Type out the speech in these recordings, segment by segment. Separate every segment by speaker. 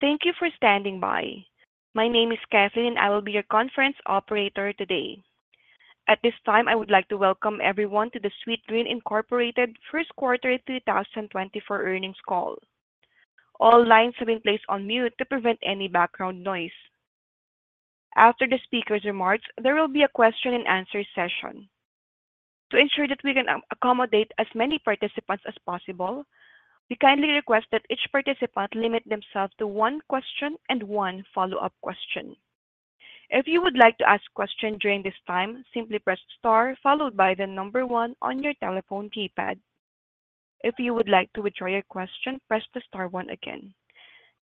Speaker 1: Thank you for standing by. My name is Kathleen. I will be your conference operator today. At this time, I would like to welcome everyone to the sweetgreen Incorporated first quarter 2024 earnings call. All lines have been placed on mute to prevent any background noise. After the speaker's remarks, there will be a question and answer session. To ensure that we can accommodate as many participants as possible, we kindly request that each participant limit themselves to one question and one follow-up question. If you would like to ask a question during this time, simply press star followed by the number one on your telephone keypad. If you would like to withdraw your question, press the star one again.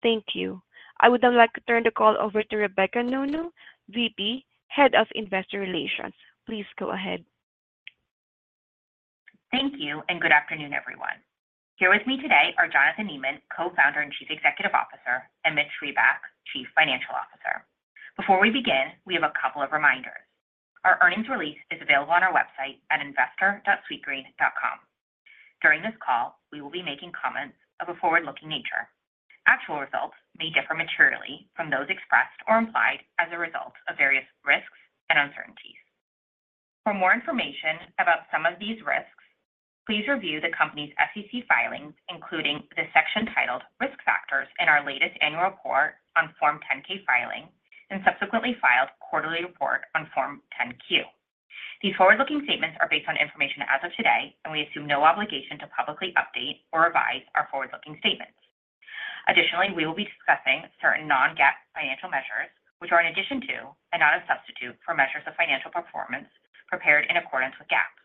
Speaker 1: Thank you. I would now like to turn the call over to Rebecca Nounou, VP, Head of Investor Relations. Please go ahead.
Speaker 2: Thank you, and good afternoon, everyone. Here with me today are Jonathan Neman, Co-founder and Chief Executive Officer, and Mitch Reback, Chief Financial Officer. Before we begin, we have a couple of reminders. Our earnings release is available on our website at investor.sweetgreen.com. During this call, we will be making comments of a forward-looking nature. Actual results may differ materially from those expressed or implied as a result of various risks and uncertainties. For more information about some of these risks, please review the company's SEC filings, including the section titled "Risk Factors" in our latest annual report on Form 10-K filing, and subsequently filed quarterly report on Form 10-Q. These forward-looking statements are based on information as of today, and we assume no obligation to publicly update or revise our forward-looking statements. Additionally, we will be discussing certain non-GAAP financial measures, which are in addition to and not a substitute for measures of financial performance prepared in accordance with GAAP.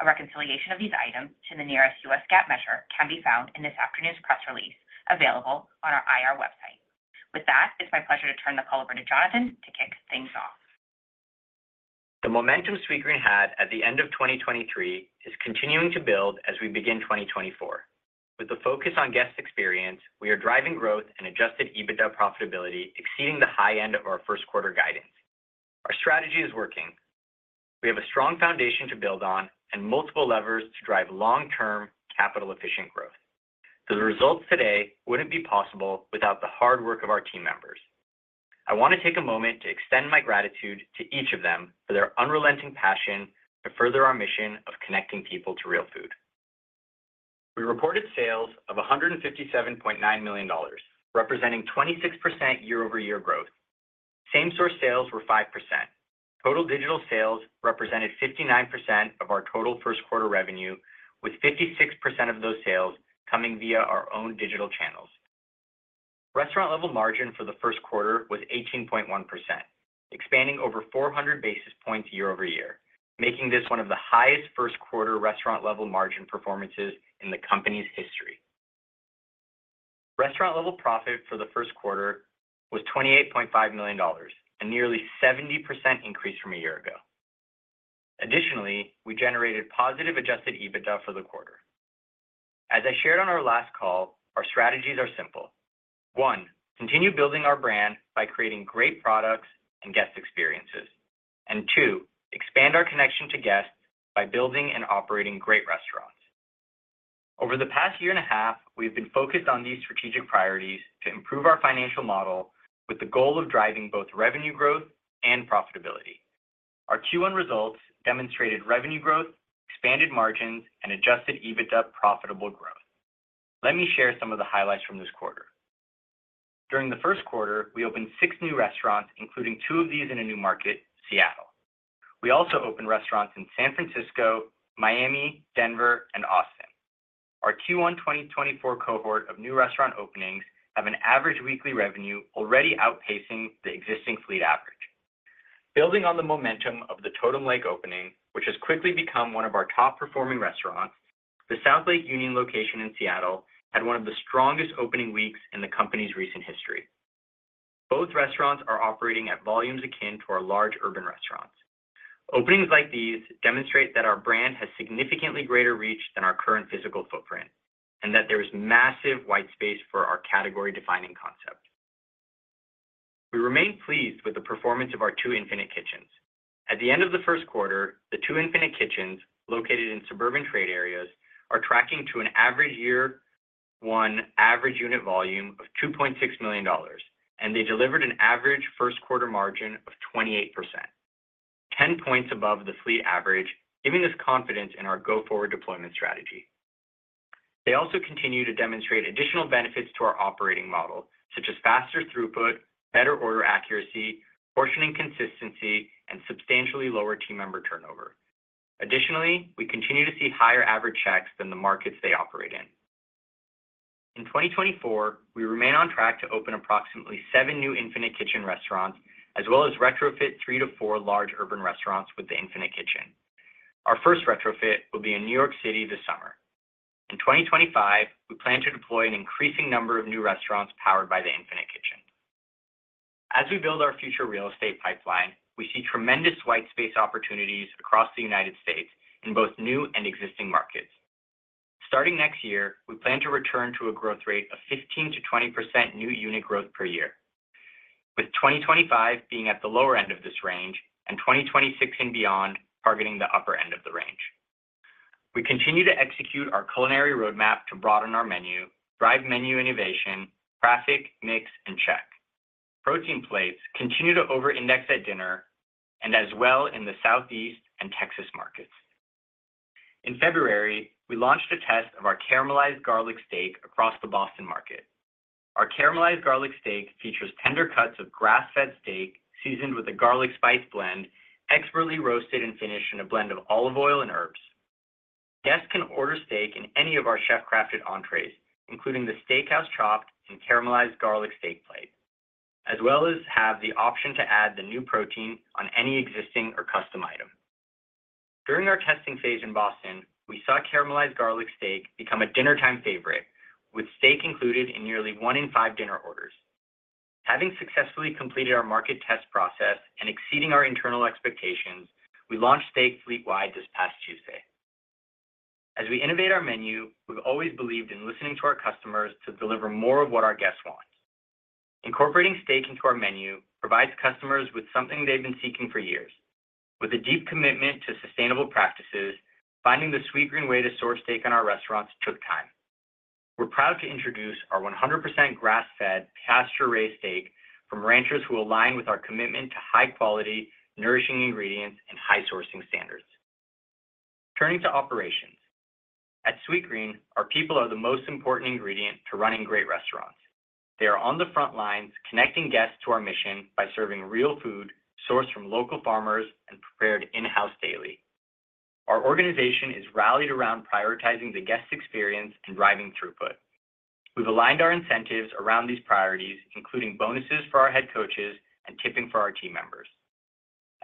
Speaker 2: A reconciliation of these items to the nearest U.S. GAAP measure can be found in this afternoon's press release, available on our IR website. With that, it's my pleasure to turn the call over to Jonathan to kick things off.
Speaker 3: The momentum Sweetgreen had at the end of 2023 is continuing to build as we begin 2024. With the focus on guest experience, we are driving growth and Adjusted EBITDA profitability, exceeding the high end of our first quarter guidance. Our strategy is working. We have a strong foundation to build on and multiple levers to drive long-term capital efficient growth. So the results today wouldn't be possible without the hard work of our team members. I want to take a moment to extend my gratitude to each of them for their unrelenting passion to further our mission of connecting people to real food. We reported sales of $157.9 million, representing 26% year-over-year growth. Same-store sales were 5%. Total digital sales represented 59% of our total first quarter revenue, with 56% of those sales coming via our own digital channels. Restaurant level margin for the first quarter was 18.1%, expanding over 400 basis points year-over-year, making this one of the highest first quarter restaurant level margin performances in the company's history. Restaurant level profit for the first quarter was $28.5 million, and nearly 70% increase from a year ago. Additionally, we generated positive Adjusted EBITDA for the quarter. As I shared on our last call, our strategies are simple. One, continue building our brand by creating great products and guest experiences. And two, expand our connection to guests by building and operating great restaurants. Over the past year and a half, we've been focused on these strategic priorities to improve our financial model with the goal of driving both revenue growth and profitability. Our Q1 results demonstrated revenue growth, expanded margins, and adjusted EBITDA profitable growth. Let me share some of the highlights from this quarter. During the first quarter, we opened six new restaurants, including two of these in a new market, Seattle. We also opened restaurants in San Francisco, Miami, Denver, and Austin. Our Q1 2024 cohort of new restaurant openings have an average weekly revenue already outpacing the existing fleet average. Building on the momentum of the Totem Lake opening, which has quickly become one of our top performing restaurants, the South Lake Union location in Seattle had one of the strongest opening weeks in the company's recent history. Both restaurants are operating at volumes akin to our large urban restaurants. Openings like these demonstrate that our brand has significantly greater reach than our current physical footprint, and that there is massive white space for our category-defining concept. We remain pleased with the performance of our two Infinite Kitchens. At the end of the first quarter, the two Infinite Kitchens located in suburban trade areas are tracking to an average year-one average unit volume of $2.6 million, and they delivered an average first quarter margin of 28%, 10 points above the fleet average, giving us confidence in our go-forward deployment strategy. They also continue to demonstrate additional benefits to our operating model, such as faster throughput, better order accuracy, portioning consistency, and substantially lower team member turnover. Additionally, we continue to see higher average checks than the markets they operate in. In 2024, we remain on track to open approximately seven new Infinite Kitchen restaurants, as well as retrofit 3-4 large urban restaurants with the Infinite Kitchen. Our first retrofit will be in New York City this summer. In 2025, we plan to deploy an increasing number of new restaurants powered by the Infinite Kitchen. As we build our future real estate pipeline, we see tremendous white space opportunities across the United States in both new and existing markets. Starting next year, we plan to return to a growth rate of 15%-20% new unit growth per year... 2025 being at the lower end of this range, and 2026 and beyond targeting the upper end of the range. We continue to execute our culinary roadmap to broaden our menu, drive menu innovation, traffic, mix, and check. Protein plates continue to over-index at dinner and as well in the Southeast and Texas markets. In February, we launched a test of our caramelized garlic steak across the Boston market. Our caramelized garlic steak features tender cuts of grass-fed steak, seasoned with a garlic spice blend, expertly roasted and finished in a blend of olive oil and herbs. Guests can order steak in any of our chef-crafted entrees, including the steakhouse chopped and caramelized garlic steak plate, as well as have the option to add the new protein on any existing or custom item. During our testing phase in Boston, we saw caramelized garlic steak become a dinnertime favorite, with steak included in nearly one in five dinner orders. Having successfully completed our market test process and exceeding our internal expectations, we launched steak fleet-wide this past Tuesday. As we innovate our menu, we've always believed in listening to our customers to deliver more of what our guests want. Incorporating steak into our menu provides customers with something they've been seeking for years. With a deep commitment to sustainable practices, finding the Sweetgreen way to source steak in our restaurants took time. We're proud to introduce our 100% grass-fed, pasture-raised steak from ranchers who align with our commitment to high quality, nourishing ingredients, and high sourcing standards. Turning to operations. At Sweetgreen, our people are the most important ingredient to running great restaurants. They are on the front lines, connecting guests to our mission by serving real food, sourced from local farmers and prepared in-house daily. Our organization is rallied around prioritizing the guest experience and driving throughput. We've aligned our incentives around these priorities, including bonuses for our head coaches and tipping for our team members.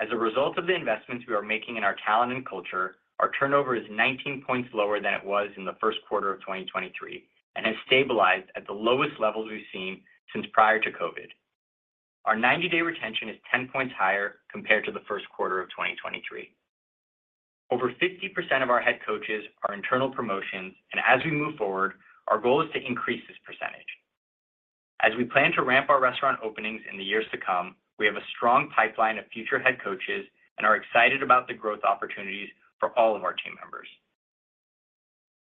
Speaker 3: As a result of the investments we are making in our talent and culture, our turnover is 19 points lower than it was in the first quarter of 2023, and has stabilized at the lowest levels we've seen since prior to COVID. Our 90-days retention is 10 points higher compared to the first quarter of 2023. Over 50% of our head coaches are internal promotions, and as we move forward, our goal is to increase this percentage. As we plan to ramp our restaurant openings in the years to come, we have a strong pipeline of future head coaches and are excited about the growth opportunities for all of our team members.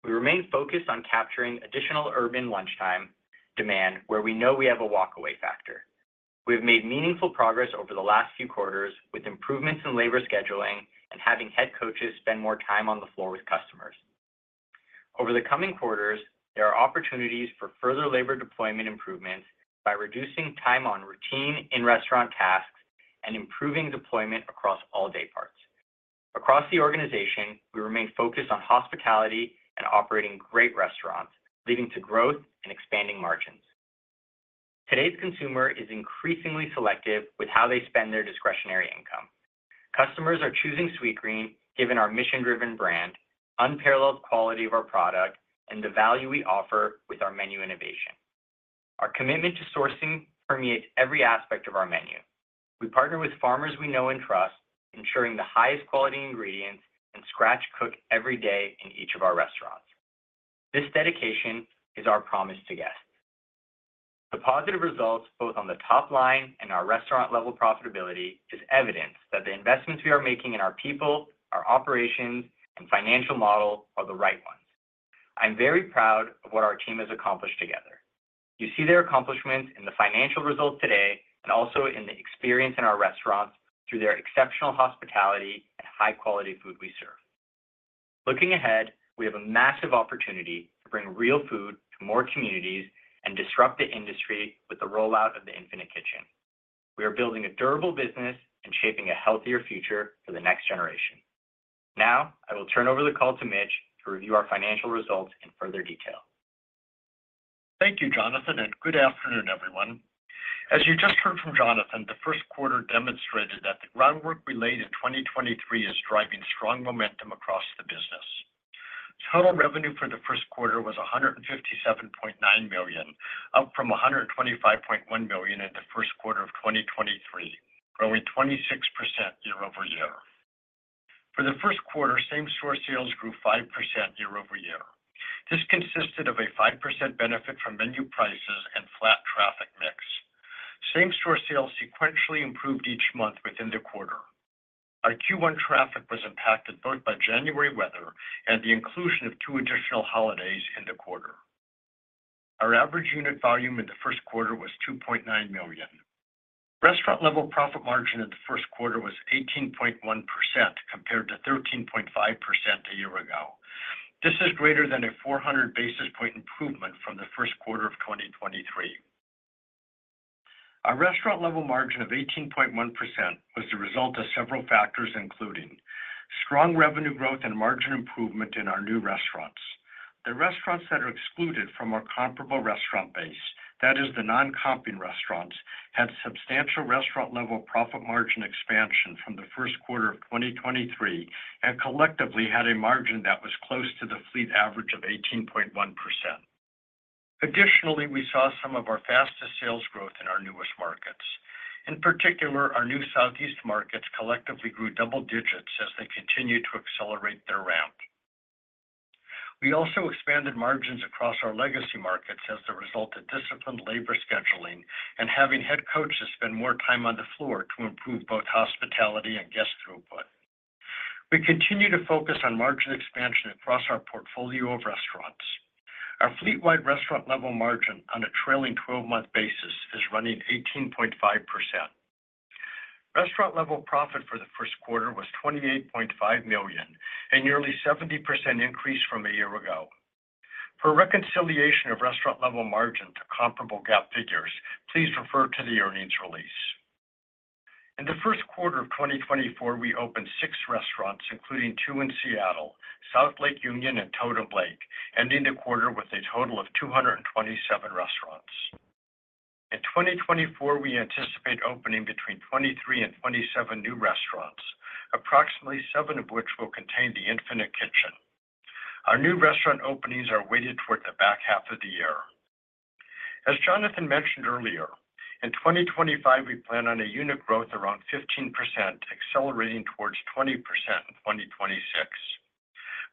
Speaker 3: We remain focused on capturing additional urban lunchtime demand, where we know we have a walkaway factor. We have made meaningful progress over the last few quarters, with improvements in labor scheduling and having head coaches spend more time on the floor with customers. Over the coming quarters, there are opportunities for further labor deployment improvements by reducing time on routine in-restaurant tasks and improving deployment across all day parts. Across the organization, we remain focused on hospitality and operating great restaurants, leading to growth and expanding margins. Today's consumer is increasingly selective with how they spend their discretionary income. Customers are choosing Sweetgreen, given our mission-driven brand, unparalleled quality of our product, and the value we offer with our menu innovation. Our commitment to sourcing permeates every aspect of our menu. We partner with farmers we know and trust, ensuring the highest quality ingredients, and scratch cook every day in each of our restaurants. This dedication is our promise to guests. The positive results, both on the top line and our restaurant level profitability, is evidence that the investments we are making in our people, our operations, and financial model are the right ones. I'm very proud of what our team has accomplished together. You see their accomplishments in the financial results today and also in the experience in our restaurants through their exceptional hospitality and high-quality food we serve. Looking ahead, we have a massive opportunity to bring real food to more communities and disrupt the industry with the rollout of the Infinite Kitchen. We are building a durable business and shaping a healthier future for the next generation. Now, I will turn over the call to Mitch to review our financial results in further detail.
Speaker 4: Thank you, Jonathan, and good afternoon, everyone. As you just heard from Jonathan, the first quarter demonstrated that the groundwork we laid in 2023 is driving strong momentum across the business. Total revenue for the first quarter was $157.9 million, up from $125.1 million in the first quarter of 2023, growing 26% year-over-year. For the first quarter, same-store sales grew 5% year-over-year. This consisted of a 5% benefit from menu prices and flat traffic mix. Same-store sales sequentially improved each month within the quarter. Our Q1 traffic was impacted both by January weather and the inclusion of two additional holidays in the quarter. Our average unit volume in the first quarter was $2.9 million. Restaurant level profit margin in the first quarter was 18.1%, compared to 13.5% a year ago. This is greater than a 400 basis points improvement from the first quarter of 2023. Our restaurant level margin of 18.1% was the result of several factors, including strong revenue growth and margin improvement in our new restaurants. The restaurants that are excluded from our comparable restaurant base, that is the non-comping restaurants, had substantial restaurant-level profit margin expansion from the first quarter of 2023, and collectively had a margin that was close to the fleet average of 18.1%. Additionally, we saw some of our fastest sales growth in our newest markets. In particular, our new Southeast markets collectively grew double digits as they continued to accelerate their ramp. We also expanded margins across our legacy markets as a result of disciplined labor scheduling and having head coaches spend more time on the floor to improve both hospitality and guest throughput. We continue to focus on margin expansion across our portfolio of restaurants. Our fleet-wide restaurant level margin on a trailing twelve-month basis is running 18.5%. Restaurant level profit for the first quarter was $28.5 million, a nearly 70% increase from a year ago. For a reconciliation of restaurant level margin to comparable GAAP figures, please refer to the earnings release. In the first quarter of 2024, we opened six restaurants, including two in Seattle, South Lake Union and Totem Lake, ending the quarter with a total of 227 restaurants. In 2024, we anticipate opening between 23 and 27 new restaurants, approximately seven of which will contain the Infinite Kitchen. Our new restaurant openings are weighted toward the back half of the year. As Jonathan mentioned earlier, in 2025, we plan on a unit growth around 15%, accelerating towards 20% in 2026.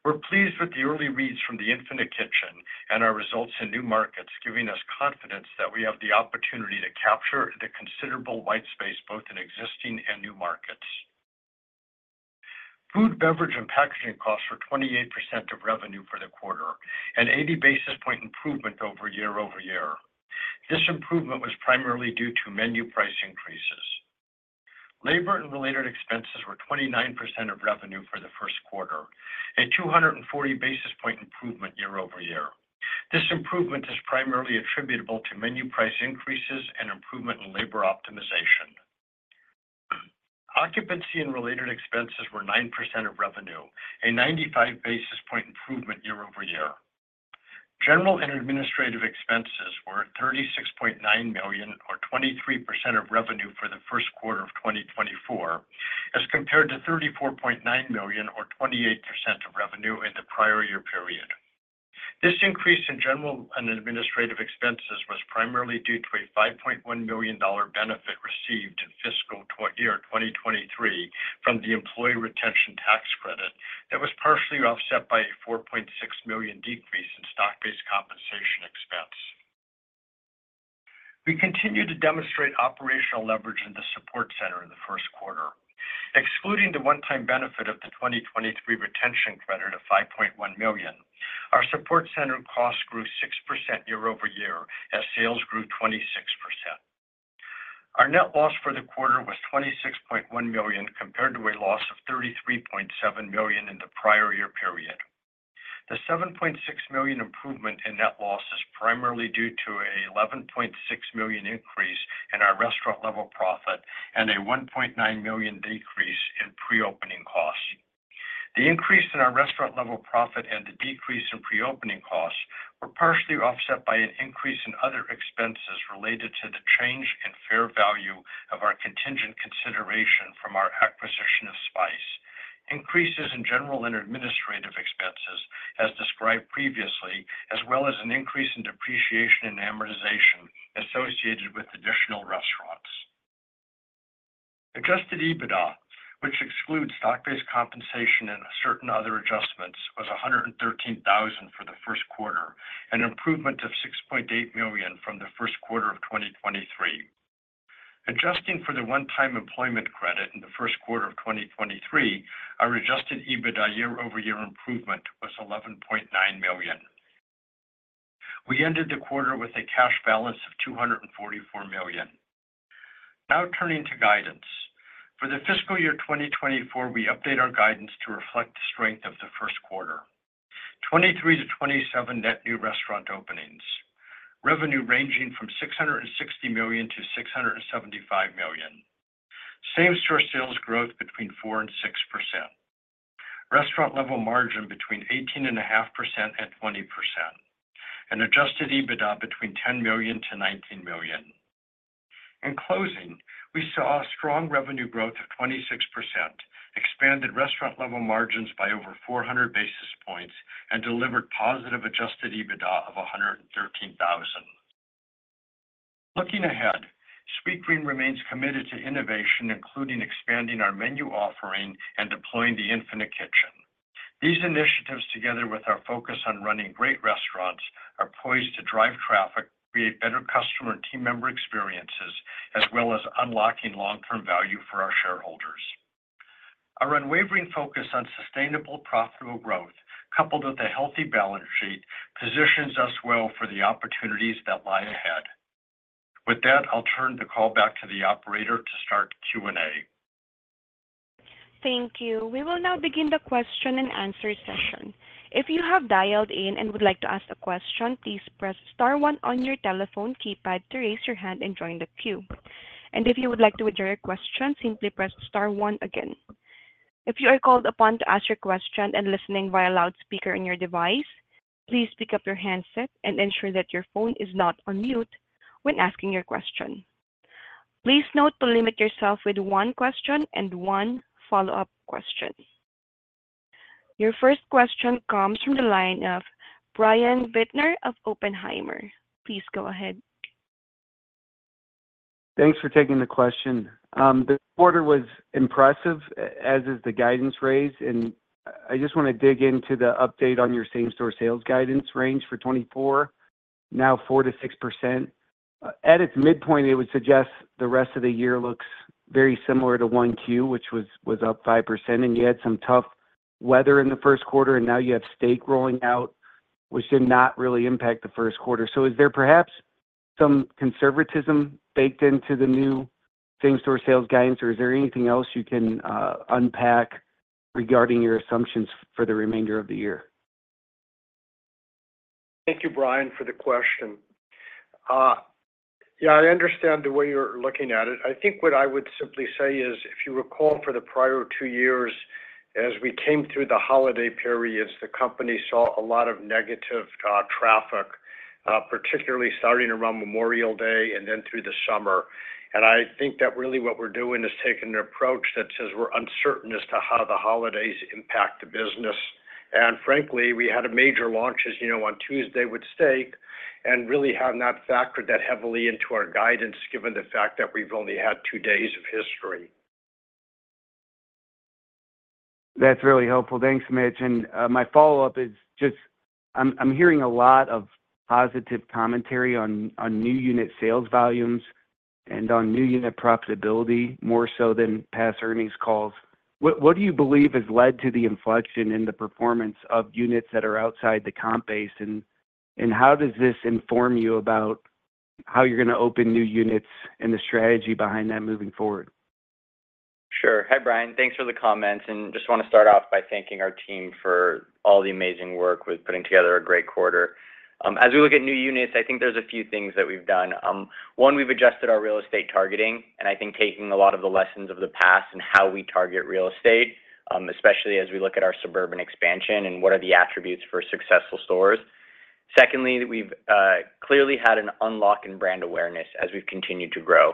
Speaker 4: We're pleased with the early reads from the Infinite Kitchen and our results in new markets, giving us confidence that we have the opportunity to capture the considerable white space, both in existing and new markets. Food, beverage, and packaging costs were 28% of revenue for the quarter, an 80 basis points improvement year-over-year. This improvement was primarily due to menu price increases. Labor and related expenses were 29% of revenue for the first quarter, a 240 basis points improvement year-over-year. This improvement is primarily attributable to menu price increases and improvement in labor optimization. Occupancy and related expenses were 9% of revenue, a 95 basis points improvement year-over-year. General and administrative expenses were $36.9 million, or 23% of revenue for the first quarter of 2024, as compared to $34.9 million, or 28% of revenue in the prior year period. This increase in general and administrative expenses was primarily due to a $5.1 million dollar benefit received in fiscal year 2023 from the employee retention tax credit. That was partially offset by a $4.6 million decrease in stock-based compensation expense. We continued to demonstrate operational leverage in the support center in the first quarter. Excluding the one-time benefit of the 2023 retention credit of $5.1 million, our support center costs grew 6% year-over-year as sales grew 26%. Our net loss for the quarter was $26.1 million, compared to a loss of $33.7 million in the prior year period. The $7.6 million improvement in net loss is primarily due to an $11.6 million increase in our restaurant level profit and a $1.9 million decrease in pre-opening costs. The increase in our restaurant level profit and the decrease in pre-opening costs were partially offset by an increase in other expenses related to the change in fair value of our contingent consideration from our acquisition of Spyce, increases in general and administrative expenses as described previously, as well as an increase in depreciation and amortization associated with additional restaurants. Adjusted EBITDA, which excludes stock-based compensation and certain other adjustments, was $113,000 for the first quarter, an improvement of $6.8 million from the first quarter of 2023. Adjusting for the one-time employment credit in the first quarter of 2023, our adjusted EBITDA year-over-year improvement was $11.9 million. We ended the quarter with a cash balance of $244 million. Now turning to guidance. For the fiscal year 2024, we update our guidance to reflect the strength of the first quarter. 23-27 net new restaurant openings, revenue ranging from $660 million-$675 million, same-store sales growth between 4% and 6%, restaurant-level margin between 18.5% and 20%, and adjusted EBITDA between $10 million - $19 million. In closing, we saw a strong revenue growth of 26%, expanded restaurant level margins by over 400 basis points, and delivered positive adjusted EBITDA of $113,000. Looking ahead, Sweetgreen remains committed to innovation, including expanding our menu offering and deploying the Infinite Kitchen. These initiatives, together with our focus on running great restaurants, are poised to drive traffic, create better customer and team member experiences, as well as unlocking long-term value for our shareholders. Our unwavering focus on sustainable, profitable growth, coupled with a healthy balance sheet, positions us well for the opportunities that lie ahead. With that, I'll turn the call back to the operator to start Q&A.
Speaker 1: Thank you. We will now begin the question and answer session. If you have dialed in and would like to ask a question, please press star one on your telephone keypad to raise your hand and join the queue. If you would like to withdraw your question, simply press star one again. If you are called upon to ask your question and listening via loudspeaker on your device, please pick up your handset and ensure that your phone is not on mute when asking your question. Please note to limit yourself with one question and one follow-up question. Your first question comes from the line of Brian Bittner of Oppenheimer. Please go ahead....
Speaker 5: Thanks for taking the question. The quarter was impressive, as is the guidance raise, and I just want to dig into the update on your same-store sales guidance range for 2024, now 4%-6%. At its midpoint, it would suggest the rest of the year looks very similar to Q1, which was up 5%, and you had some tough weather in the first quarter, and now you have steak rolling out, which did not really impact the first quarter. So is there perhaps some conservatism baked into the new same-store sales guidance, or is there anything else you can unpack regarding your assumptions for the remainder of the year?
Speaker 4: Thank you, Brian, for the question. Yeah, I understand the way you're looking at it. I think what I would simply say is, if you recall for the prior two years, as we came through the holiday periods, the company saw a lot of negative traffic, particularly starting around Memorial Day and then through the summer. And I think that really what we're doing is taking an approach that says we're uncertain as to how the holidays impact the business. And frankly, we had a major launch, as you know, on Tuesday with steak, and really have not factored that heavily into our guidance, given the fact that we've only had two days of history.
Speaker 5: That's really helpful. Thanks, Mitch. And, my follow-up is just, I'm hearing a lot of positive commentary on new unit sales volumes and on new unit profitability, more so than past earnings calls. What do you believe has led to the inflection in the performance of units that are outside the comp base, and how does this inform you about how you're going to open new units and the strategy behind that moving forward?
Speaker 3: Sure. Hi, Brian. Thanks for the comments, and just want to start off by thanking our team for all the amazing work with putting together a great quarter. As we look at new units, I think there's a few things that we've done. One, we've adjusted our real estate targeting, and I think taking a lot of the lessons of the past and how we target real estate, especially as we look at our suburban expansion and what are the attributes for successful stores. Secondly, we've clearly had an unlock in brand awareness as we've continued to grow,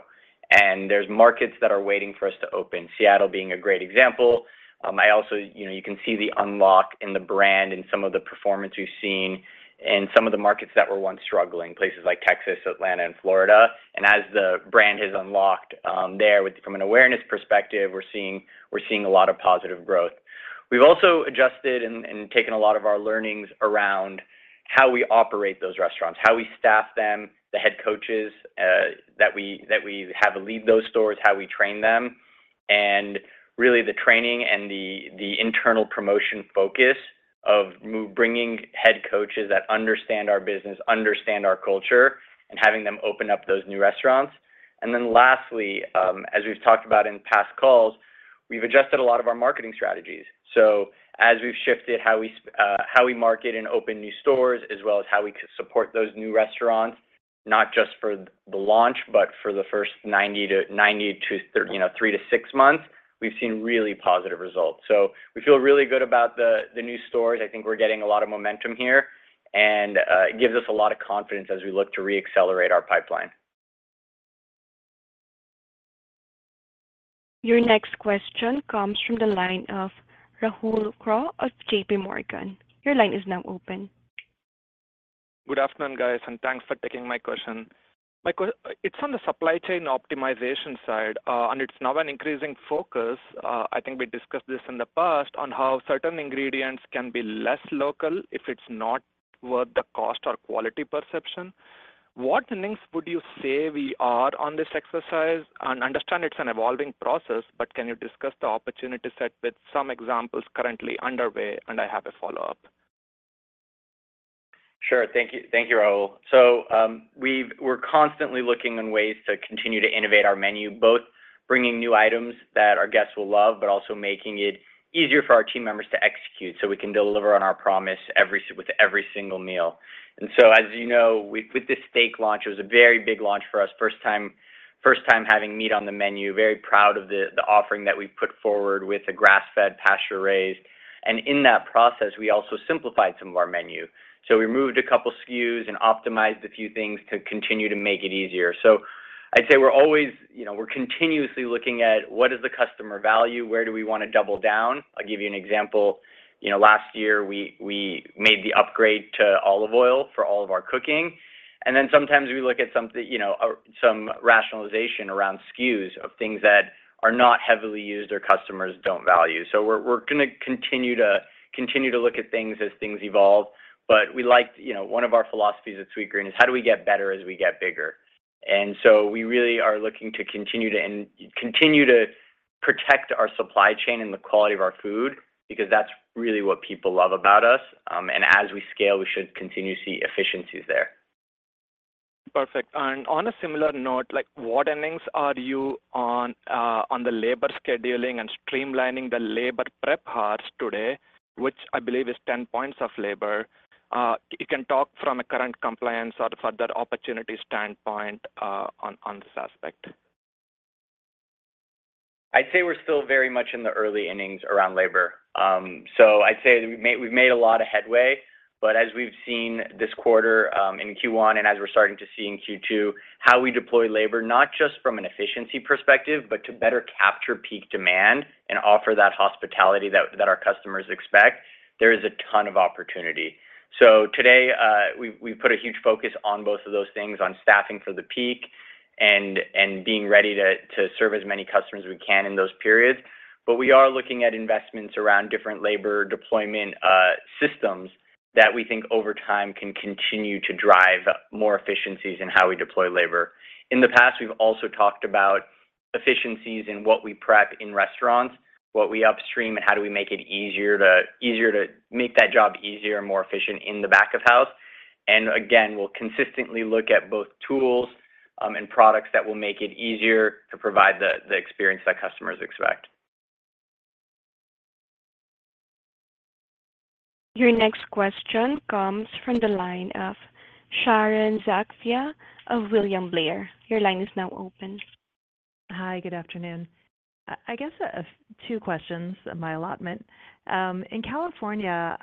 Speaker 3: and there's markets that are waiting for us to open. Seattle being a great example. I also, you know, you can see the unlock in the brand and some of the performance we've seen in some of the markets that were once struggling, places like Texas, Atlanta, and Florida. And as the brand has unlocked, there with from an awareness perspective, we're seeing, we're seeing a lot of positive growth. We've also adjusted and taken a lot of our learnings around how we operate those restaurants, how we staff them, the head coaches, that we have lead those stores, how we train them, and really the training and the internal promotion focus of bringing head coaches that understand our business, understand our culture, and having them open up those new restaurants. And then lastly, as we've talked about in past calls, we've adjusted a lot of our marketing strategies. So as we've shifted how we, how we market and open new stores, as well as how we support those new restaurants, not just for the launch, but for the first 90 to 90 to, you know, three to six months, we've seen really positive results. So we feel really good about the, the new stores. I think we're getting a lot of momentum here, and, it gives us a lot of confidence as we look to reaccelerate our pipeline.
Speaker 1: Your next question comes from the line of Rahul Krotthapalli of JPMorgan. Your line is now open.
Speaker 6: Good afternoon, guys, and thanks for taking my question. It's on the supply chain optimization side, and it's now an increasing focus. I think we discussed this in the past, on how certain ingredients can be less local if it's not worth the cost or quality perception. What lengths would you say we are on this exercise? And understand it's an evolving process, but can you discuss the opportunity set with some examples currently underway? And I have a follow-up.
Speaker 3: Sure. Thank you. Thank you, Rahul. So, we're constantly looking for ways to continue to innovate our menu, both bringing new items that our guests will love, but also making it easier for our team members to execute so we can deliver on our promise every time with every single meal. So, as you know, with this steak launch, it was a very big launch for us. First time having meat on the menu. Very proud of the offering that we put forward with the grass-fed, pasture-raised. And in that process, we also simplified some of our menu. So we removed a couple SKUs and optimized a few things to continue to make it easier. So I'd say we're always, you know, we're continuously looking at what is the customer value, where do we want to double down. I'll give you an example. You know, last year, we made the upgrade to olive oil for all of our cooking. And then sometimes we look at something, you know, some rationalization around SKUs of things that are not heavily used or customers don't value. So we're going to continue to look at things as things evolve, but we like... You know, one of our philosophies at Sweetgreen is how do we get better as we get bigger? And so we really are looking to continue to protect our supply chain and the quality of our food, because that's really what people love about us. And as we scale, we should continue to see efficiencies there.
Speaker 6: Perfect. And on a similar note, like, what endings are you on, on the labor scheduling and streamlining the labor prep hours today, which I believe is 10 points of labor? You can talk from a current compliance or further opportunity standpoint, on, on this aspect.
Speaker 3: I'd say we're still very much in the early innings around labor. So I'd say we've made a lot of headway, but as we've seen this quarter, in Q1, and as we're starting to see in Q2, how we deploy labor, not just from an efficiency perspective, but to better capture peak demand and offer that hospitality that our customers expect. There is a ton of opportunity. So today, we put a huge focus on both of those things, on staffing for the peak and being ready to serve as many customers as we can in those periods. But we are looking at investments around different labor deployment systems that we think over time can continue to drive more efficiencies in how we deploy labor. In the past, we've also talked about efficiencies in what we prep in restaurants, what we upstream, and how do we make it easier to make that job easier and more efficient in the back of house. And again, we'll consistently look at both tools and products that will make it easier to provide the experience that customers expect.
Speaker 1: Your next question comes from the line of Sharon Zackfia of William Blair. Your line is now open.
Speaker 7: Hi, good afternoon. I guess I have two questions in my allotment. In California,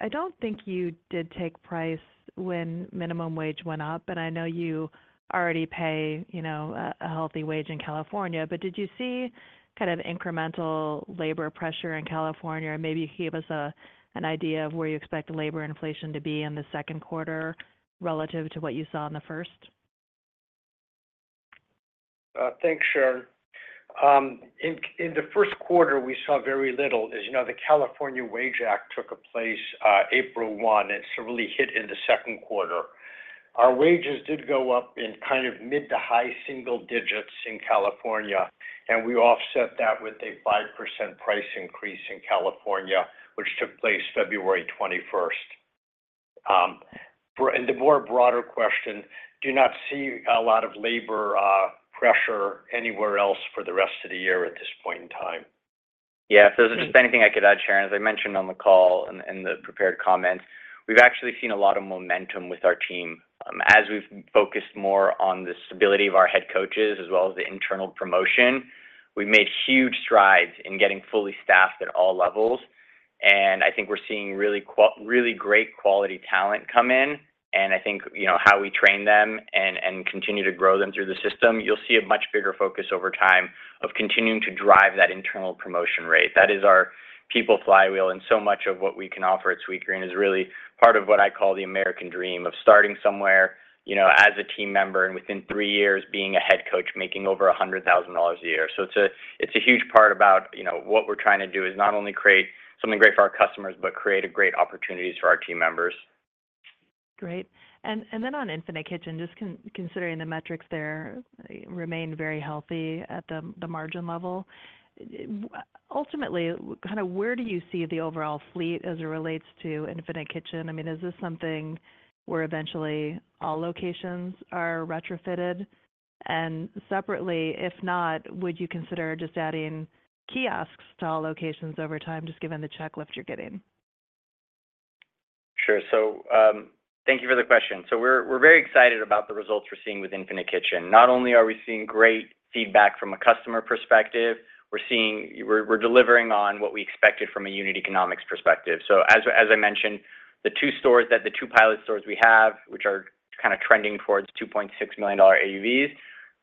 Speaker 7: I don't think you did take price when minimum wage went up, and I know you already pay, you know, a healthy wage in California, but did you see kind of incremental labor pressure in California? Or maybe give us an idea of where you expect the labor inflation to be in the second quarter relative to what you saw in the first.
Speaker 4: Thanks, Sharon. In the first quarter, we saw very little. As you know, the California Wage Act took place April 1, and so really hit in the second quarter. Our wages did go up in kind of mid- to high single digits in California, and we offset that with a 5% price increase in California, which took place February 21. For the more broader question, do not see a lot of labor pressure anywhere else for the rest of the year at this point in time.
Speaker 3: Yeah, so just anything I could add, Sharon, as I mentioned on the call and the prepared comments, we've actually seen a lot of momentum with our team. As we've focused more on the stability of our head coaches, as well as the internal promotion, we've made huge strides in getting fully staffed at all levels. And I think we're seeing really great quality talent come in, and I think, you know, how we train them and continue to grow them through the system, you'll see a much bigger focus over time of continuing to drive that internal promotion rate. That is our people flywheel, and so much of what we can offer at Sweetgreen is really part of what I call the American dream, of starting somewhere, you know, as a team member, and within three years, being a head coach, making over $100,000 a year. So it's a huge part about, you know, what we're trying to do is not only create something great for our customers, but create great opportunities for our team members.
Speaker 7: Great. And then on Infinite Kitchen, just considering the metrics there remained very healthy at the margin level. Ultimately, kind of where do you see the overall fleet as it relates to Infinite Kitchen? I mean, is this something where eventually all locations are retrofitted? And separately, if not, would you consider just adding kiosks to all locations over time, just given the checklist you're getting?
Speaker 3: Sure. So, thank you for the question. So we're very excited about the results we're seeing with Infinite Kitchen. Not only are we seeing great feedback from a customer perspective, we're seeing. We're delivering on what we expected from a unit economics perspective. So as I mentioned, the two pilot stores we have, which are kind of trending towards $2.6 million AUVs,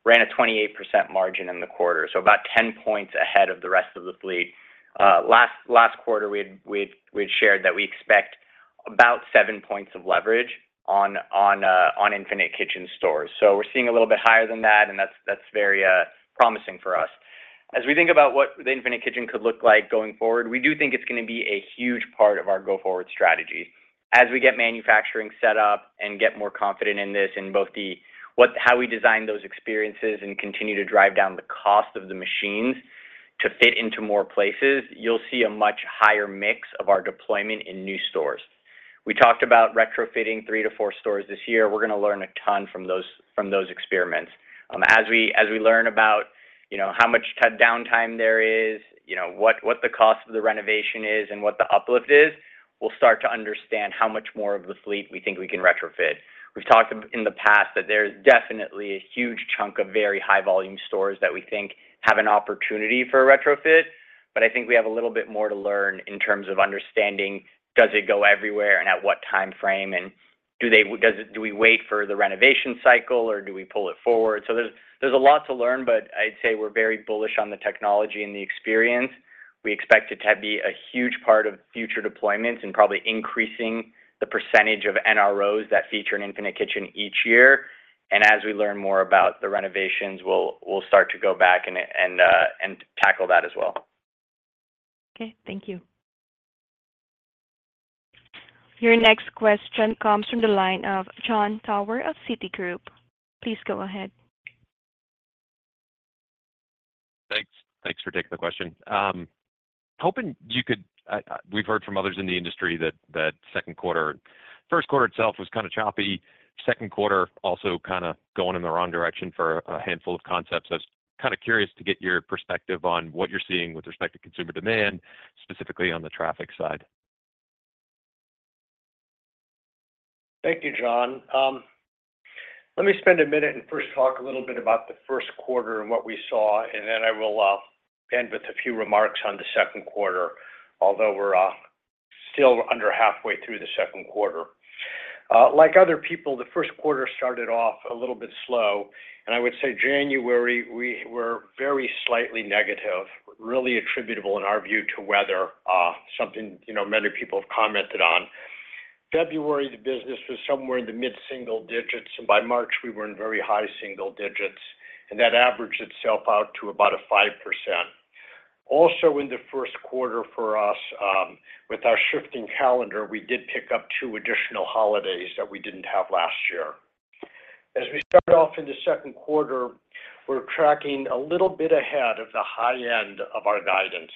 Speaker 3: ran a 28% margin in the quarter, so about 10 points ahead of the rest of the fleet. Last quarter, we had shared that we expect about seven points of leverage on Infinite Kitchen stores. So we're seeing a little bit higher than that, and that's very promising for us. As we think about what the Infinite Kitchen could look like going forward, we do think it's gonna be a huge part of our go-forward strategy. As we get manufacturing set up and get more confident in this, in both the how we design those experiences and continue to drive down the cost of the machines to fit into more places, you'll see a much higher mix of our deployment in new stores. We talked about retrofitting three-four stores this year. We're gonna learn a ton from those experiments. As we learn about, you know, how much downtime there is, you know, what the cost of the renovation is, and what the uplift is, we'll start to understand how much more of the fleet we think we can retrofit. We've talked about in the past that there's definitely a huge chunk of very high-volume stores that we think have an opportunity for a retrofit, but I think we have a little bit more to learn in terms of understanding, does it go everywhere, and at what time frame, and do we wait for the renovation cycle, or do we pull it forward? So there's a lot to learn, but I'd say we're very bullish on the technology and the experience. We expect it to be a huge part of future deployments and probably increasing the percentage of NROs that feature an Infinite Kitchen each year. And as we learn more about the renovations, we'll start to go back and and tackle that as well.
Speaker 7: Okay, thank you.
Speaker 1: Your next question comes from the line of Jon Tower of Citigroup. Please go ahead.
Speaker 8: Thanks. Thanks for taking the question. Hoping you could, we've heard from others in the industry that, that second quarter, first quarter itself was kind of choppy. Second quarter also kind of going in the wrong direction for a handful of concepts. I was kind of curious to get your perspective on what you're seeing with respect to consumer demand, specifically on the traffic side.
Speaker 4: Thank you, John. Let me spend a minute and first talk a little bit about the first quarter and what we saw, and then I will end with a few remarks on the second quarter, although we're still under halfway through the second quarter. Like other people, the first quarter started off a little bit slow, and I would say January, we were very slightly negative, really attributable, in our view, to weather, something you know, many people have commented on. February, the business was somewhere in the mid-single digits, and by March, we were in very high single digits, and that averaged itself out to about a 5%. Also, in the first quarter for us, with our shifting calendar, we did pick up two additional holidays that we didn't have last year. As we start off in the second quarter, we're tracking a little bit ahead of the high end of our guidance,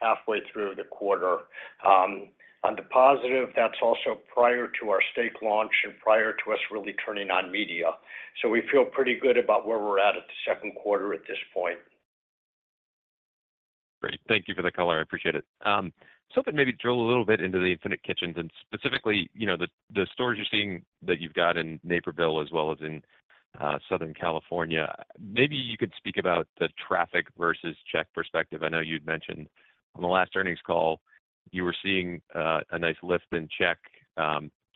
Speaker 4: halfway through the quarter. On the positive, that's also prior to our steak launch and prior to us really turning on media. So we feel pretty good about where we're at the second quarter at this point.
Speaker 8: Great. Thank you for the color. I appreciate it. So I thought maybe drill a little bit into the Infinite Kitchens, and specifically, you know, the stores you're seeing that you've got in Naperville as well as in Southern California. Maybe you could speak about the traffic versus check perspective. I know you'd mentioned on the last earnings call, you were seeing a nice lift in check.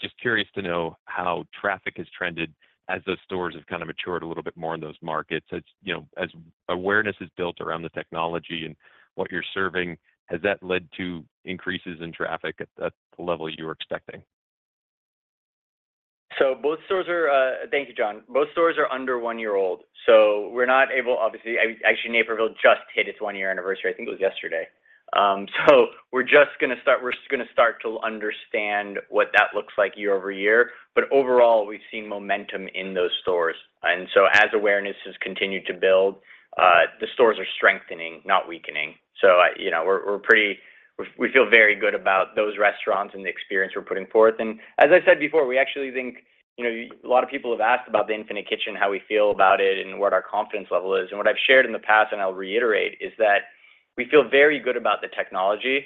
Speaker 8: Just curious to know how traffic has trended as those stores have kind of matured a little bit more in those markets. As you know, as awareness is built around the technology and what you're serving, has that led to increases in traffic at the level you were expecting?
Speaker 3: So both stores are - thank you, John. Both stores are under one year old, so we're not able, obviously. Actually, Naperville just hit its one-year anniversary. I think it was yesterday. So we're just gonna start to understand what that looks like year-over-year. But overall, we've seen momentum in those stores. And so as awareness has continued to build, the stores are strengthening, not weakening. So I, you know, we're pretty - we feel very good about those restaurants and the experience we're putting forth. And as I said before, we actually think, you know, a lot of people have asked about the Infinite Kitchen, how we feel about it, and what our confidence level is. And what I've shared in the past, and I'll reiterate, is that we feel very good about the technology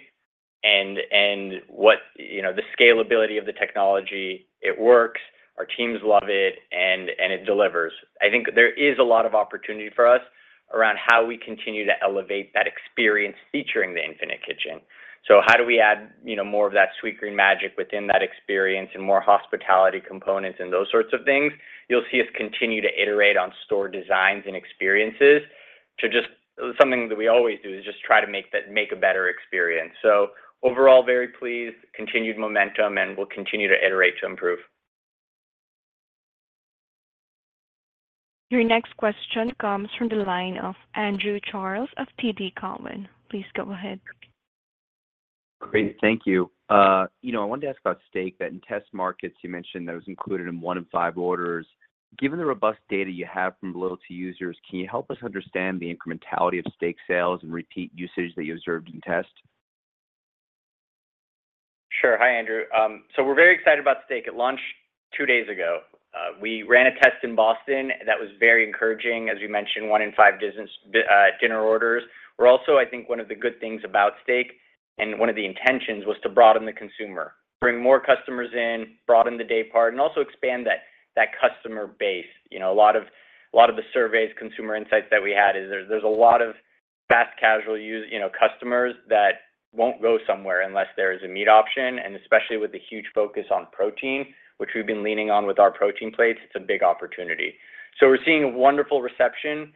Speaker 3: and, and what, you know, the scalability of the technology. It works, our teams love it, and, and it delivers. I think there is a lot of opportunity for us around how we continue to elevate that experience featuring the Infinite Kitchen. So how do we add, you know, more of that Sweetgreen magic within that experience, and more hospitality components, and those sorts of things? You'll see us continue to iterate on store designs and experiences to just... Something that we always do, is just try to make the, make a better experience. So overall, very pleased, continued momentum, and we'll continue to iterate to improve.
Speaker 1: Your next question comes from the line of Andrew Charles of TD Cowen. Please go ahead.
Speaker 9: Great. Thank you. You know, I wanted to ask about steak that in test markets, you mentioned that was included in one in five orders. Given the robust data you have from loyalty users, can you help us understand the incrementality of steak sales and repeat usage that you observed in test?
Speaker 3: Sure. Hi, Andrew. So we're very excited about steak. It launched two days ago. We ran a test in Boston, and that was very encouraging. As we mentioned, one in five business dinner orders. We're also, I think one of the good things about steak, and one of the intentions, was to broaden the consumer, bring more customers in, broaden the day part, and also expand that customer base. You know, a lot of, a lot of the surveys, consumer insights that we had, is there's a lot of fast casual users, you know, customers that won't go somewhere unless there is a meat option, and especially with the huge focus on protein, which we've been leaning on with our protein plates, it's a big opportunity. So we're seeing a wonderful reception.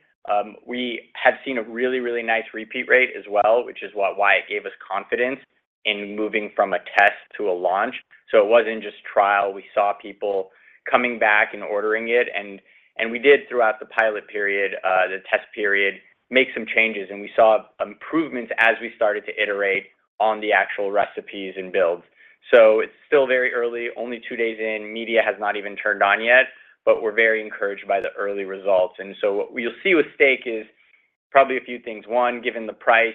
Speaker 3: We have seen a really, really nice repeat rate as well, which is what, why it gave us confidence in moving from a test to a launch. So it wasn't just trial. We saw people coming back and ordering it, and, and we did throughout the pilot period, the test period, make some changes, and we saw improvements as we started to iterate on the actual recipes and builds. So it's still very early, only two days in, media has not even turned on yet, but we're very encouraged by the early results. And so what we'll see with steak is probably a few things. One, given the price,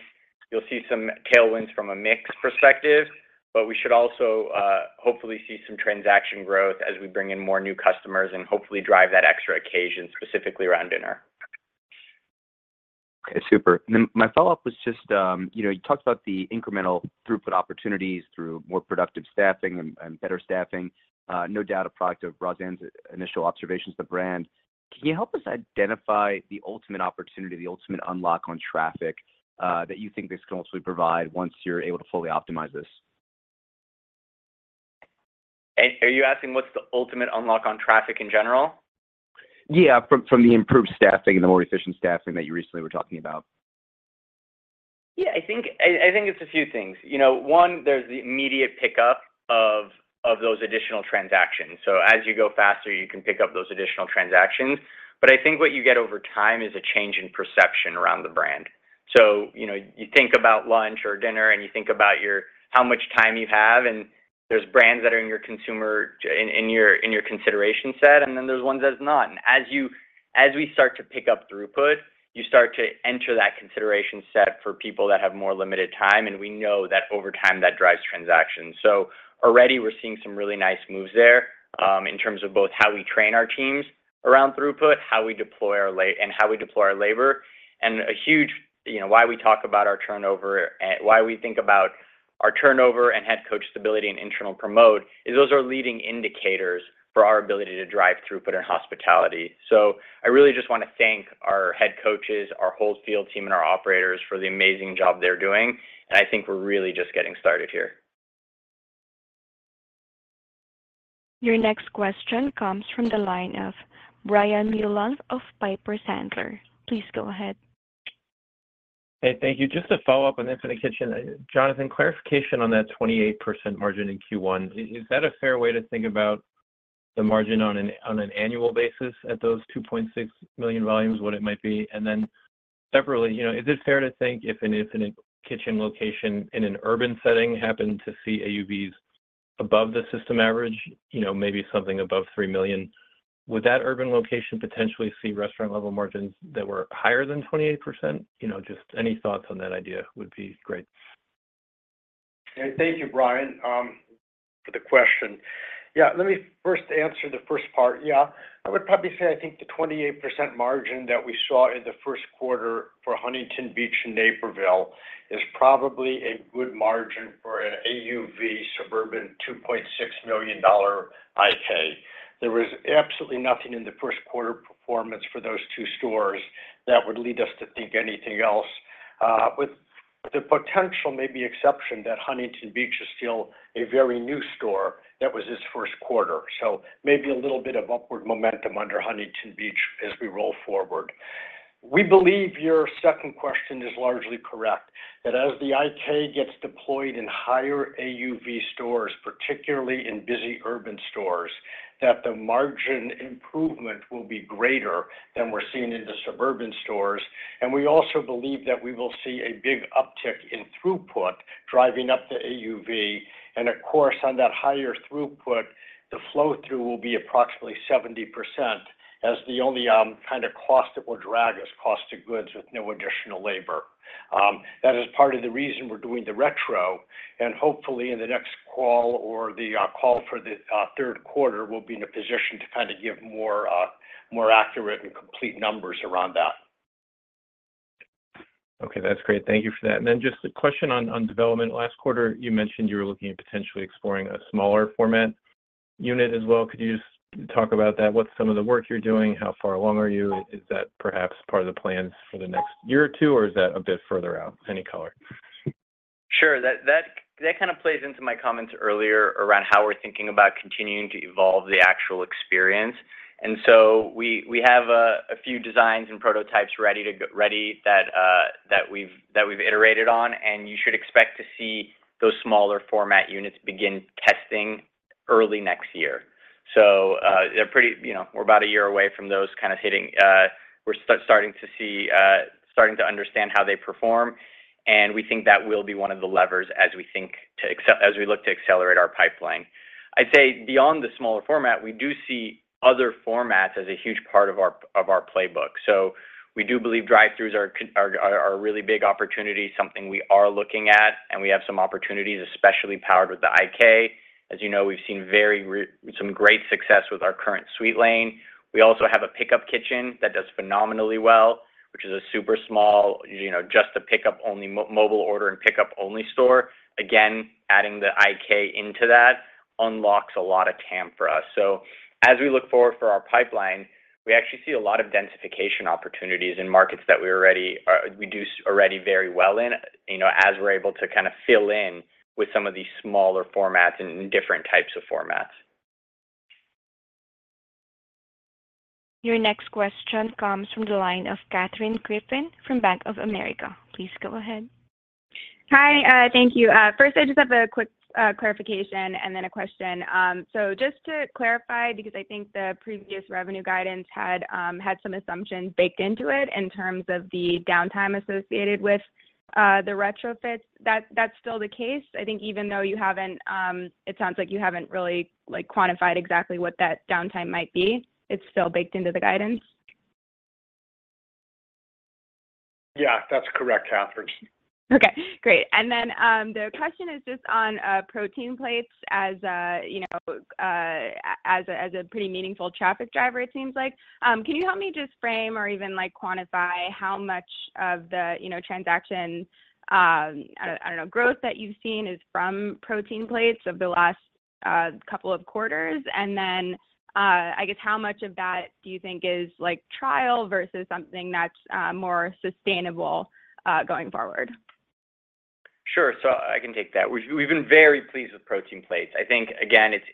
Speaker 3: you'll see some tailwinds from a mix perspective, but we should also, hopefully, see some transaction growth as we bring in more new customers and hopefully drive that extra occasion, specifically around dinner.
Speaker 9: Okay, super. Then my follow-up was just, you know, you talked about the incremental throughput opportunities through more productive staffing and better staffing, no doubt a product of Rosanne's initial observations of the brand. Can you help us identify the ultimate opportunity, the ultimate unlock on traffic, that you think this can ultimately provide once you're able to fully optimize this?
Speaker 3: Are you asking what's the ultimate unlock on traffic in general?
Speaker 9: Yeah, from the improved staffing and the more efficient staffing that you recently were talking about.
Speaker 3: Yeah, I think it's a few things. You know, one, there's the immediate pickup of those additional transactions. So as you go faster, you can pick up those additional transactions. But I think what you get over time is a change in perception around the brand. So, you know, you think about lunch or dinner, and you think about your, how much time you have, and there's brands that are in your consumer consideration set, and then there's ones that are not. And as we start to pick up throughput, you start to enter that consideration set for people that have more limited time, and we know that over time, that drives transactions. So already we're seeing some really nice moves there, in terms of both how we train our teams around throughput, how we deploy our la... And how we deploy our labor. And a huge, you know, why we talk about our turnover and why we think about our turnover and head coach stability and internal promote, is those are leading indicators for our ability to drive throughput in hospitality. So I really just want to thank our head coaches, our whole field team, and our operators for the amazing job they're doing, and I think we're really just getting started here....
Speaker 1: Your next question comes from the line of Brian Mullan of Piper Sandler. Please go ahead.
Speaker 10: Hey, thank you. Just to follow up on Infinite Kitchen. Jonathan, clarification on that 28% margin in Q1. Is that a fair way to think about the margin on an annual basis at those 2.6 million volumes, what it might be? And then separately, you know, is it fair to think if an Infinite Kitchen location in an urban setting happened to see AUVs above the system average, you know, maybe something above 3 million, would that urban location potentially see restaurant level margins that were higher than 28%? You know, just any thoughts on that idea would be great.
Speaker 4: Thank you, Brian, for the question. Yeah, let me first answer the first part. Yeah, I would probably say I think the 28% margin that we saw in the first quarter for Huntington Beach and Naperville is probably a good margin for an AUV suburban $2.6 million IK. There was absolutely nothing in the first quarter performance for those two stores that would lead us to think anything else. With the potential maybe exception that Huntington Beach is still a very new store, that was its first quarter. So maybe a little bit of upward momentum under Huntington Beach as we roll forward. We believe your second question is largely correct, that as the IK gets deployed in higher AUV stores, particularly in busy urban stores, that the margin improvement will be greater than we're seeing in the suburban stores. And we also believe that we will see a big uptick in throughput driving up the AUV. And of course, on that higher throughput, the flow-through will be approximately 70%, as the only kind of cost that will drag us, cost of goods with no additional labor. That is part of the reason we're doing the retro, and hopefully, in the next call or the call for the third quarter, we'll be in a position to kind of give more more accurate and complete numbers around that.
Speaker 10: Okay, that's great. Thank you for that. And then just a question on development. Last quarter, you mentioned you were looking at potentially exploring a smaller format unit as well. Could you just talk about that? What's some of the work you're doing? How far along are you? Is that perhaps part of the plans for the next year or two, or is that a bit further out? Any color.
Speaker 3: Sure. That kind of plays into my comments earlier around how we're thinking about continuing to evolve the actual experience. And so we have a few designs and prototypes ready, that we've iterated on, and you should expect to see those smaller format units begin testing early next year. So, they're pretty, you know, we're about a year away from those kind of hitting. We're starting to see, starting to understand how they perform, and we think that will be one of the levers as we look to accelerate our pipeline. I'd say beyond the smaller format, we do see other formats as a huge part of our playbook. So we do believe drive-throughs are a really big opportunity, something we are looking at, and we have some opportunities, especially powered with the IK. As you know, we've seen some great success with our current SweetLane. We also have a pickup kitchen that does phenomenally well, which is a super small, you know, just a pickup only, mobile order and pickup only store. Again, adding the IK into that unlocks a lot of TAM for us. So as we look forward for our pipeline, we actually see a lot of densification opportunities in markets that we already, we do already very well in, you know, as we're able to kind of fill in with some of these smaller formats and different types of formats.
Speaker 1: Your next question comes from the line of Katherine Griffin from Bank of America. Please go ahead.
Speaker 11: Hi, thank you. First, I just have a quick clarification and then a question. So just to clarify, because I think the previous revenue guidance had some assumptions baked into it in terms of the downtime associated with the retrofits. That's still the case? I think even though you haven't, it sounds like you haven't really, like, quantified exactly what that downtime might be. It's still baked into the guidance.
Speaker 4: Yeah, that's correct, Katherine.
Speaker 11: Okay, great. And then, the question is just on, protein plates as a, you know, as a, as a pretty meaningful traffic driver, it seems like. Can you help me just frame or even, like, quantify how much of the, you know, transaction, I don't know, growth that you've seen is from protein plates over the last, couple of quarters? And then, I guess, how much of that do you think is, like, trial versus something that's, more sustainable, going forward?
Speaker 3: Sure. So I can take that. We've been very pleased with protein plates. I think, again, it's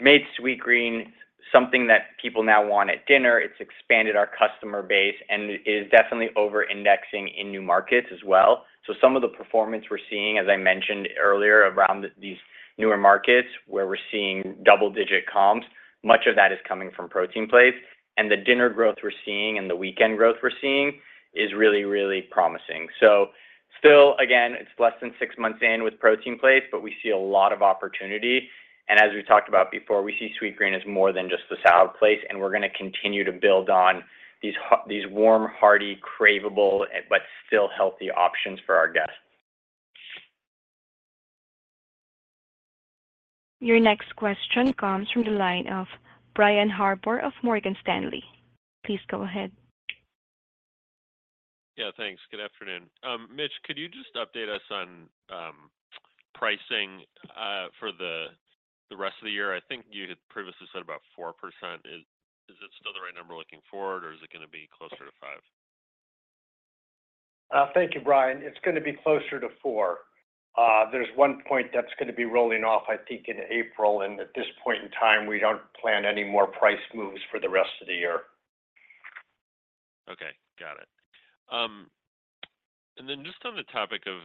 Speaker 3: made Sweetgreen something that people now want at dinner. It's expanded our customer base and is definitely over indexing in new markets as well. So some of the performance we're seeing, as I mentioned earlier, around these newer markets where we're seeing double-digit comps, much of that is coming from protein plates. And the dinner growth we're seeing and the weekend growth we're seeing is really, really promising. So still, again, it's less than six months in with protein plates, but we see a lot of opportunity. And as we talked about before, we see Sweetgreen as more than just a salad place, and we're going to continue to build on these warm, hearty, craveable, but still healthy options for our guests.
Speaker 1: Your next question comes from the line of Brian Harbour of Morgan Stanley. Please go ahead.
Speaker 12: Yeah, thanks. Good afternoon. Mitch, could you just update us on pricing for the rest of the year? I think you had previously said about 4%. Is it still the right number looking forward, or is it going to be closer to 5%?...
Speaker 4: Thank you, Brian. It's going to be closer to four. There's 1 point that's going to be rolling off, I think, in April, and at this point in time, we don't plan any more price moves for the rest of the year.
Speaker 12: Okay, got it. And then just on the topic of,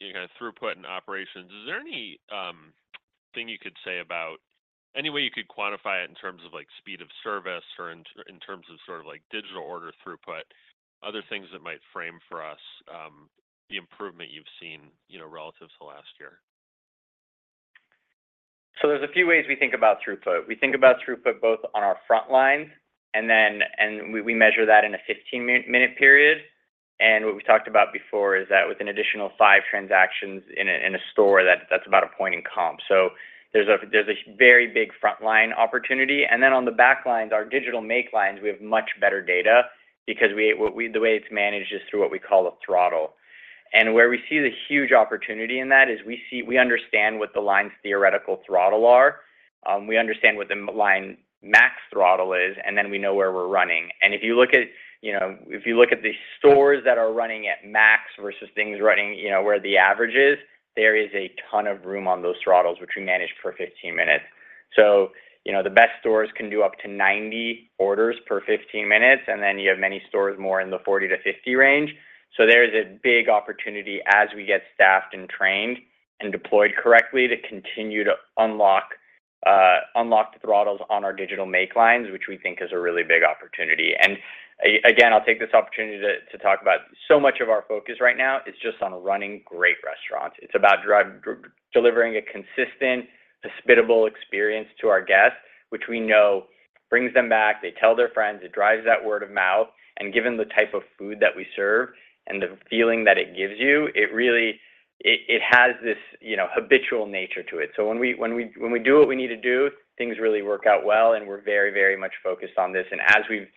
Speaker 12: you know, throughput and operations, is there any thing you could say about any way you could quantify it in terms of, like, speed of service or in terms of sort of like digital order throughput, other things that might frame for us, the improvement you've seen, you know, relative to last year?
Speaker 3: So there's a few ways we think about throughput. We think about throughput both on our front line, and then we measure that in a 15-minutes period. And what we talked about before is that with an additional five transactions in a store, that's about a point in comp. So there's a very big frontline opportunity. And then on the back lines, our digital make lines, we have much better data because we, the way it's managed is through what we call a throttle. And where we see the huge opportunity in that is we see we understand what the line's theoretical throttle are. We understand what the line max throttle is, and then we know where we're running. If you look at, you know, if you look at the stores that are running at max versus things running, you know, where the average is, there is a ton of room on those throttles, which we manage per 15 minutes. So, you know, the best stores can do up to 90 orders per 15 minutes, and then you have many stores more in the 40-50 range. So there is a big opportunity as we get staffed and trained, and deployed correctly, to continue to unlock unlock the throttles on our digital make lines, which we think is a really big opportunity. And again, I'll take this opportunity to talk about so much of our focus right now is just on running great restaurants. It's about drive—delivering a consistent, hospitable experience to our guests, which we know brings them back, they tell their friends, it drives that word of mouth. And given the type of food that we serve and the feeling that it gives you, it really, it has this, you know, habitual nature to it. So when we do what we need to do, things really work out well, and we're very, very much focused on this. And as we've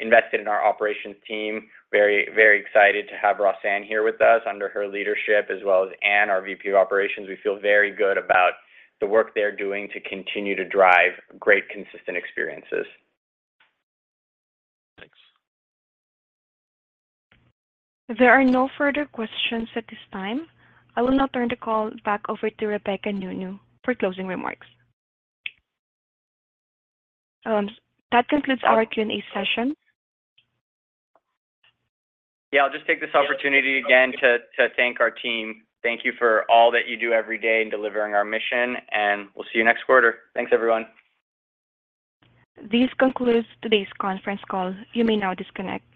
Speaker 3: invested in our operations team, very, very excited to have Rosanne here with us under her leadership, as well as Anne, our VP of Operations. We feel very good about the work they're doing to continue to drive great, consistent experiences.
Speaker 12: Thanks.
Speaker 1: There are no further questions at this time. I will now turn the call back over to Rebecca Nounou for closing remarks. That concludes our Q&A session.
Speaker 3: Yeah, I'll just take this opportunity again to thank our team. Thank you for all that you do every day in delivering our mission, and we'll see you next quarter. Thanks, everyone.
Speaker 1: This concludes today's conference call. You may now disconnect.